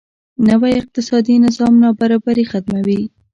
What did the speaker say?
نوی اقتصادي نظام نابرابري ختموي.